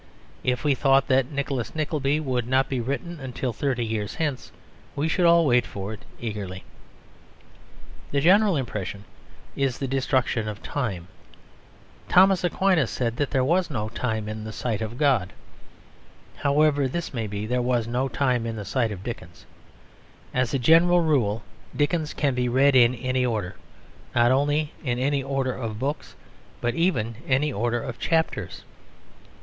If we thought that Nicholas Nickleby would not be written until thirty years hence we should all wait for it eagerly. The general impression produced by Dickens's work is the same as that produced by miraculous visions; it is the destruction of time. Thomas Aquinas said that there was no time in the sight of God; however this may be, there was no time in the sight of Dickens. As a general rule Dickens can be read in any order; not only in any order of books, but even in any order of chapters.